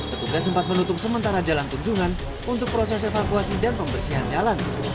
petugas sempat menutup sementara jalan tunjungan untuk proses evakuasi dan pembersihan jalan